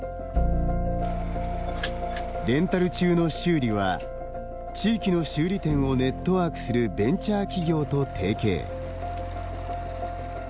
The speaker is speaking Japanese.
レンタル中の修理は地域の修理店をネットワークするベンチャー企業と提携。